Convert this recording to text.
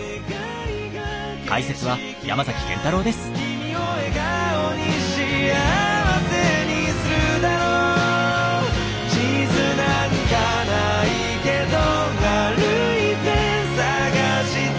「君を笑顔に幸せにするだろう」「地図なんかないけど歩いて探して」